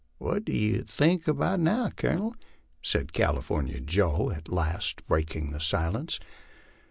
"What do yer think about it now, Colonel?" said California Joe, at last breaking the silence.